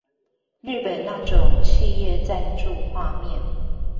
日本那種企業贊助畫面